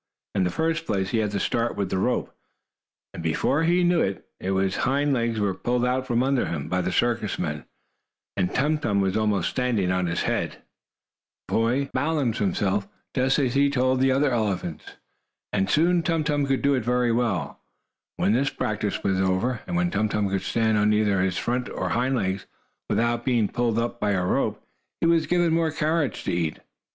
In the first place, he had to start with the rope, and, before he knew it, his hind legs were pulled out from under him, by the circus men, and Tum Tum was almost standing on his head. Hoy told him what to do, and how to balance himself, just as he told the other elephants, and soon Tum Tum could do it very well. When this practice was over, and when Tum Tum could stand on either his front or hind legs, without being pulled by a rope, he was given more carrots to eat.